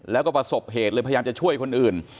แล้วก็ประสบเหตุเลยพยายามจะช่วยคนอื่น